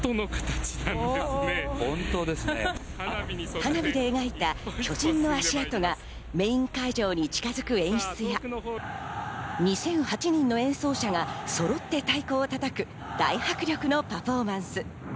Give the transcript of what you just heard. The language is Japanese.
花火で描いた巨人の足跡がメイン会場に近づく演出や、２００８人の演奏者がそろって太鼓を叩く大迫力のパフォーマンス。